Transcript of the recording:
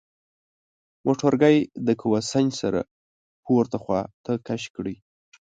موټرګی د قوه سنج سره پورته خواته کش کړئ.